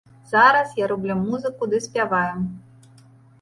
Зараз я раблю музыку ды спяваю.